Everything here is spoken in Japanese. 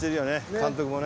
監督もね。